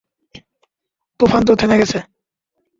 তুফান তো থেমে গেছে।